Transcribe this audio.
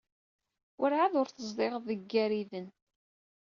Werɛad ur tezdiɣeḍ deg Igariden.